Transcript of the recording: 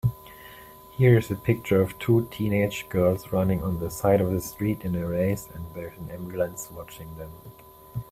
Here is a picture of two teenage girls running on the side of the street in a race and there is an ambulance watching them